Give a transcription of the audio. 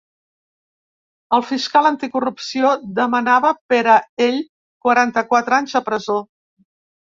El fiscal anticorrupció demanava per a ell quaranta-quatre anys de presó.